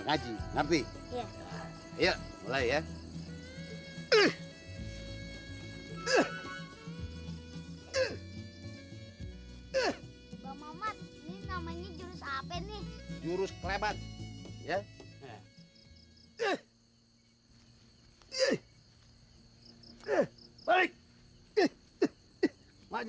lagi tapi ya mulai ya eh eh eh eh eh eh eh namanya jurus apa nih jurus klemat ya eh eh eh